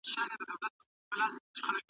زرین لوښي یې کتار کړل غلامانو